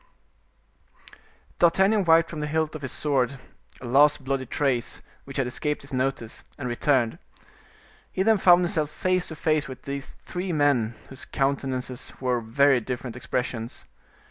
D'Artagnan wiped from the hilt of his sword a last bloody trace, which had escaped his notice, and returned. He then found himself face to face with these three men, whose countenances wore very different expressions.